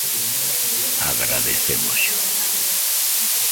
Agradecémosllo.